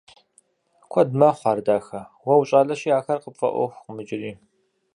Куэд мэхъу ар, дахэ, уэ ущӀалэщи ахэр къыпфӀэӀуэхукъым иджыри.